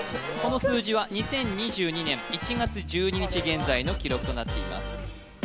この数字は２０２２年１月１２日現在の記録となっています